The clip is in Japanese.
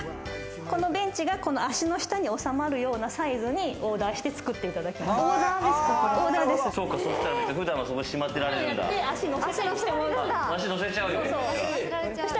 このベンチが足の下に収まるようなサイズにオーダーして作っていただきました。